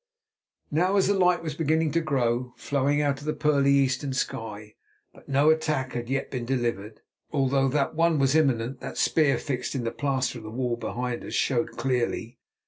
Now the light was beginning to grow, flowing out of the pearly eastern sky; but no attack had yet been delivered, although that one was imminent that spear fixed in the plaster of the wall behind us showed clearly.